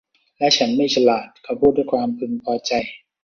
และฉันไม่ฉลาด เขาพูดด้วยความพึงพอใจ